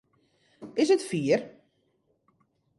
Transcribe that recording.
Is it fier?